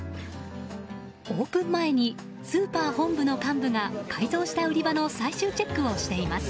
オープン前にスーパー本部の幹部が改造した売り場の最終チェックをしています。